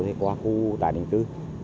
thì qua khu tại định cư